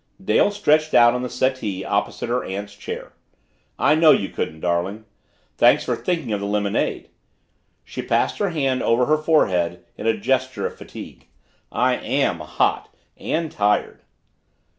Dale stretched out on the settee opposite her aunt's chair. "I know you couldn't, darling. Thanks for thinking of the lemonade." She passed her hand over her forehead in a gesture of fatigue. "I AM hot and tired."